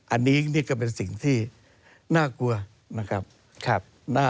อันนี้นี่ก็เป็นสิ่งที่น่ากลัวนะครับ